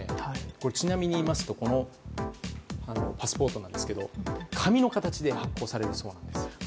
ちなみに言いますとこのパスポートなんですけど紙の形で発行されるそうなんです。